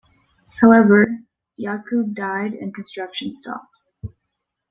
However, Yaqub died and construction stopped.